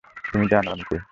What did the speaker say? তুমি জানো আমি কে?